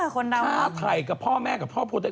ค่าไทยกับพ่อแม่กับพ่อโปรเต็กต์